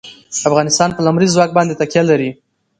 افغانستان په لمریز ځواک باندې تکیه لري.